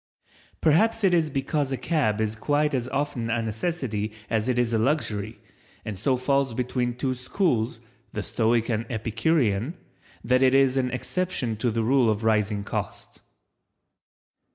Perhaps it is because a cab is quite as often a necessity as it is a luxury and so falls between two schools, the Stoic and Epicurean, that it is an exception to the rule of rising cost.